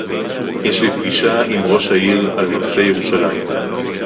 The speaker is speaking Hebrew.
יש לי פגישה עם ראש העיר על נושא ירושלים